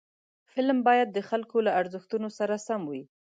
فلم باید د خلکو له ارزښتونو سره سم وي